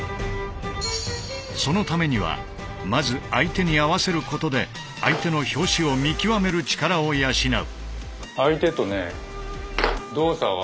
そのためにはまず相手に合わせることで相手の拍子を見極める力を養う。